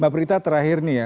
mbak prita terakhir nih ya